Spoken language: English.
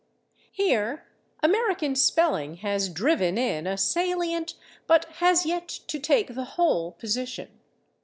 Here American spelling has driven in a salient, but has yet to take the whole position.